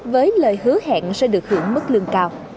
với lời hứa hẹn sẽ được hưởng mức lương cao